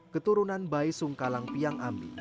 keturunan bayi sungkalang piang ambi